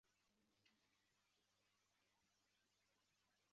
普雷佩查语因塔拉斯卡国的扩张而在墨西哥西北部广泛传播。